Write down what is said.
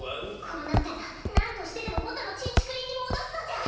こうなったらなんとしてでも元のちんちくりんに戻すのじゃ。